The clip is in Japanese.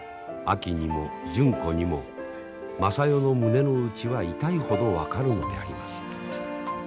あきにも純子にも昌代の胸の内は痛いほど分かるのであります。